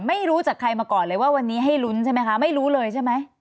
ไม่รู้จากใครมาก่อนเลยว่าวันนี้ให้ลุ้นใช่ไหมคะไม่รู้เลยใช่ไหม